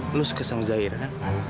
kamu suka dengan zahira